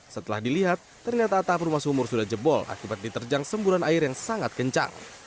setelah dilihat ternyata atap rumah sumur sudah jebol akibat diterjang semburan air yang sangat kencang